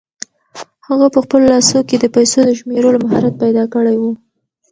هغه په خپلو لاسو کې د پیسو د شمېرلو مهارت پیدا کړی و.